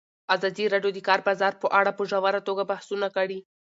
ازادي راډیو د د کار بازار په اړه په ژوره توګه بحثونه کړي.